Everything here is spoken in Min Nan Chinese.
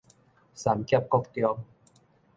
三峽國中